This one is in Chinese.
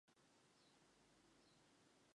小森幼年时曾随左翼社会活动家的父亲访华。